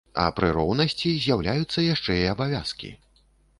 А пры роўнасці з'яўляюцца яшчэ і абавязкі.